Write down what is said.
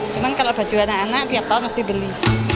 cuma kalau baju anak anak tiap tahun mesti beli